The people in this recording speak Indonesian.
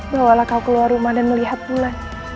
bawalah kau keluar rumah dan melihat bulan